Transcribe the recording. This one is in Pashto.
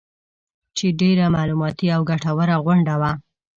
چې ډېره معلوماتي او ګټوره غونډه وه